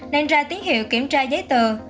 nên ra tiếng hiệu kiểm tra giấy tờ